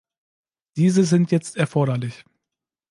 Diese sind jetzt erforderlich.